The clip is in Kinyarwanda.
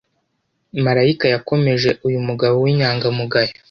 Malayika yakomeje uyu mugabo w’ inyangamugayo